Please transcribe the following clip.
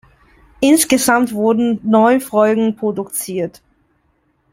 Insgesamt wurden neun Folgen produziert.